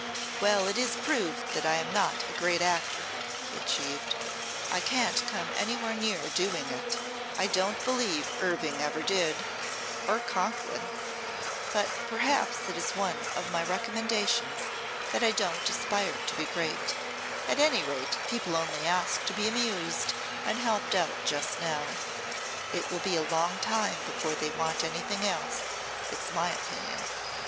"Well it is proved that I am not a great actor," he achieved. "I can't come anywhere near doing it. I don't believe Irving ever did or Coquelin. But perhaps it is one of my recommendations that I don't aspire to be great. At any rate people only ask to be amused and helped out just now. It will be a long time before they want anything else, it's my opinion."